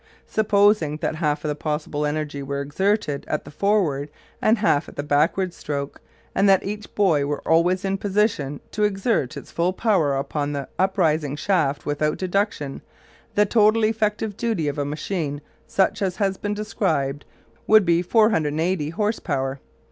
Supposing that half of the possible energy were exerted at the forward and half at the backward stroke and that each buoy were always in position to exert its full power upon the uprising shaft without deduction, the total effective duty of a machine such as has been described would be 480 horse power.